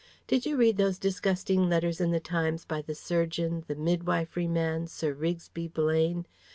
Did you read those disgusting letters in the Times by the surgeon, the midwifery man, Sir Wrigsby Blane?